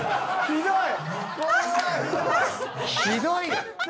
ひどい。